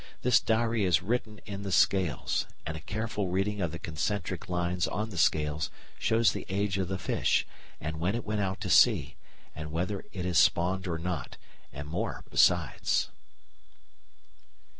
This diary is written in the scales, and a careful reading of the concentric lines on the scales shows the age of the fish, and when it went out to sea, and whether it has spawned or not, and more besides.